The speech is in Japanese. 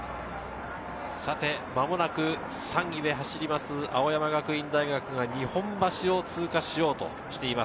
間もなく３位で走る青山学院大学が日本橋を通過しようとしています。